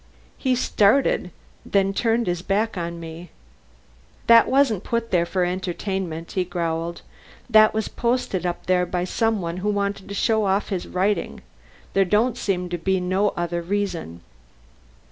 He started, then turned his back on me. "That wasn't put there for the entertainment," he growled; "that was pasted up there by some one who wanted to show off his writin'. There don't seem to be no other reason."